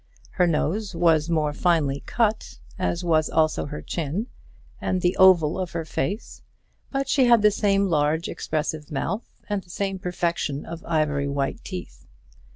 Her nose was more finely cut, as was also her chin, and the oval of her face; but she had the same large expressive mouth, and the same perfection of ivory white teeth.